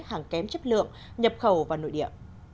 hàng kém chất lượng nhập khẩu vào nội địa